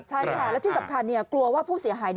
ใช่ค่ะและที่สำคัญกลัวว่าผู้เสียหาย